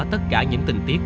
tất cả những tình tiết